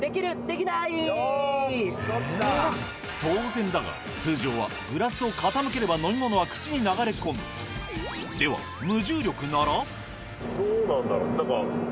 当然だが通常はグラスを傾ければ飲み物は口に流れ込むではどうなんだろう何か。